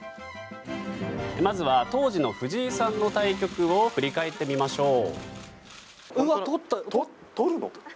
まずは当時の藤井さんの対局を振り返ってみましょう。